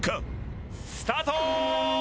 スタート！